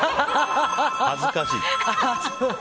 恥ずかしいって。